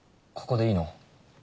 ここでいいの？